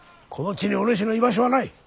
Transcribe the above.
この地におぬしの居場所はない。